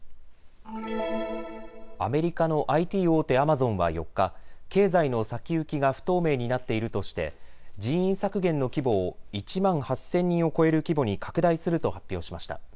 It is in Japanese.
アメリカのＩＴ大手、アマゾンは４日、経済の先行きが不透明になっているとして人員削減の規模を１万８０００人を超える規模に拡大すると発表しました。